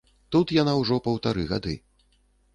Тут яна ўжо паўтары гады.